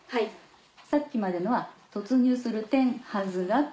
さっきまでのは「突入する、はずが」。